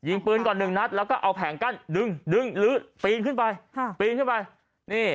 ยิงปืนก่อนหนึ่งนัดแล้วก็เอาแผงกั้นดึงดึงลื้อปีนขึ้นไป